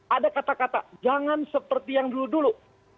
ada kata kata jangan seperti yang dulu dulu